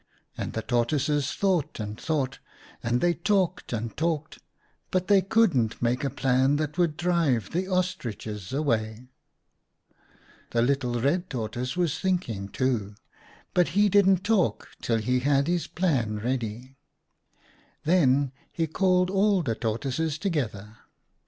And the tortoises thought and thought, and they talked and talked, but they couldn't make a plan that would drive the Ostriches away. " The little Red Tortoise was thinking, too, but he didn't talk till he had his plan ready. Then he called all the Tortoises together.